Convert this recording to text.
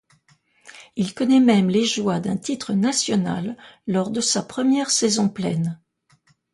Il connaît même les joies d'un titre national lors de sa première saison pleine.